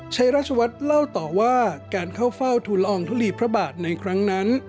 ชัยราชวัฒน์เล่าต่อว่าการเข้าเฝ้าทุนละอองทุลีพระบาทในครั้งนั้น